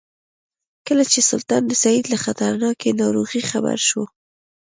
کله چې سلطان د سید له خطرناکې ناروغۍ خبر شو.